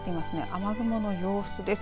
雨雲の様子です。